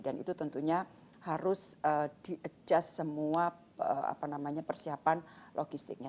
jadi itu tentunya harus di adjust semua apa namanya persiapan logistiknya